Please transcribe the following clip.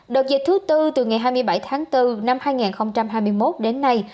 đợt dịch thứ tư từ ngày hai mươi bảy tháng bốn năm hai nghìn hai mươi một đến nay